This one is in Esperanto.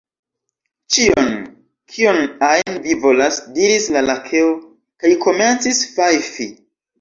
"Ĉion, kion ajn vi volas!" diris la Lakeo, kaj komencis fajfi.